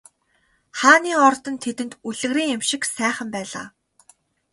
Хааны ордон тэдэнд үлгэрийн юм шиг сайхан байлаа.